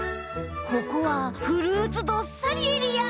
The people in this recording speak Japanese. ここはフルーツどっさりエリア。